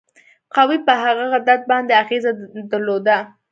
قوې په هغه عدد باندې اغیزه درلوده.